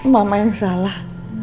mama yang salah